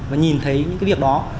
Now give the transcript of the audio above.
và nhìn thấy những cái việc đó